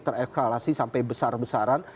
tereksalasi sampai besar besaran